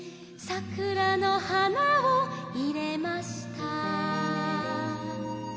「桜の花を入れました」